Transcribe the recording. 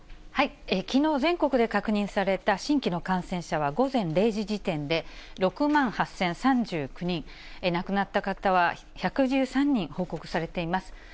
きのう全国で確認された新規の感染者は午前０時時点で、６万８０３９人、亡くなった方は１１３人報告されています。